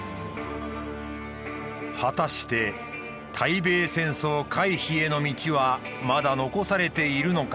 果たして対米戦争回避への道はまだ残されているのか。